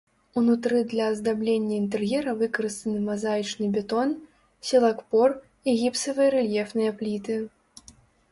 Унутры для аздаблення інтэр'ера выкарыстаны мазаічны бетон, сілакпор і гіпсавыя рэльефныя пліты.